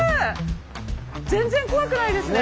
全然怖くないですね！